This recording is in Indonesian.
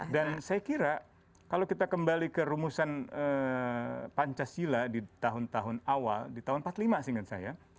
dan saya kira kalau kita kembali ke rumusan pancasila di tahun tahun awal di tahun empat puluh lima sih kan saya